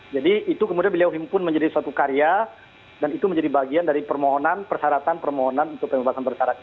jadi itu kemudian beliau himpun menjadi suatu karya dan itu menjadi bagian dari permohonan persaratan persaratan untuk pengembangan bersarat ini